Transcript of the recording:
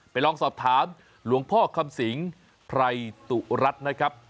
ลองสอบถามหลวงพ่อคำสิงไพรตุรัสนะครับ